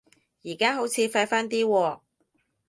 而家好似快返啲喎